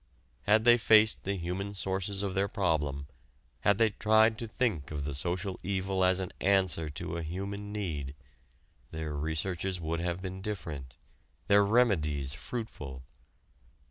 Had they faced the human sources of their problem, had they tried to think of the social evil as an answer to a human need, their researches would have been different, their remedies fruitful.